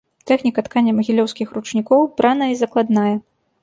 Тэхніка ткання магілёўскіх ручнікоў браная і закладная.